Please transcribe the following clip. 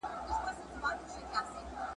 هر ګړی بدلوي غېږ د لونډه ګانو ..